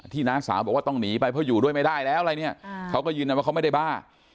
น้าสาวบอกว่าต้องหนีไปเพราะอยู่ด้วยไม่ได้แล้วอะไรเนี่ยเขาก็ยืนยันว่าเขาไม่ได้บ้า